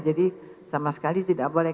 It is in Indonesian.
jadi sama sekali tidak boleh